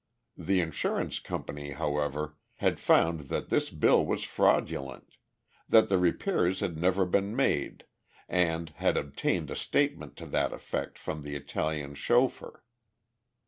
The insurance company, however, had found that this bill was fraudulent, that the repairs had never been made, and had obtained a statement to that effect from the Italian chauffeur.